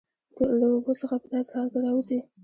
له اوبو څخه په داسې حال کې راوځي